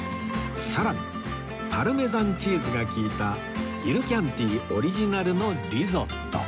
さらにパルメザンチーズが利いたイルキャンティオリジナルのリゾット